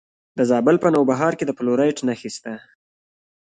د زابل په نوبهار کې د فلورایټ نښې شته.